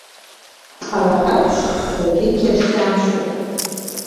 Ҳара ҳаиԥш даргьы қьырсианцәоуп…